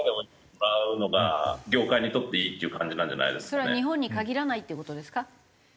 それは日本に限らないって事ですか？